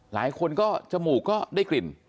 หลายคนก็จมูกก็ได้กลิ่น